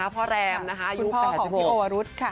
พี่โอวรุตค่ะ